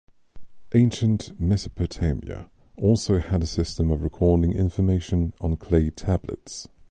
Ancient Mesopotamia also had a system of recording information on clay tablets.